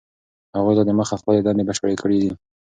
هغوی لا دمخه خپلې دندې بشپړې کړي دي.